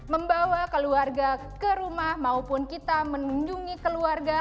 membawa keluarga ke rumah maupun kita mengunjungi keluarga